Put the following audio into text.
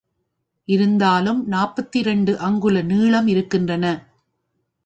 இருந்தாலும் நாற்பத்திரண்டு அங்குல நீளம் இருக்கின்றன.